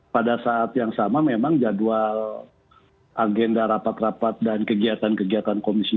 pada saat yang sama memang jadwal agenda rapat rapat dan kegiatan kegiatan komisi dua